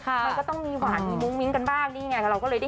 มันก็ต้องมีหวานมีมุ้งมิ้งกันบ้างนี่ไง